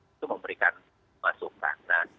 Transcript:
itu memberikan masukan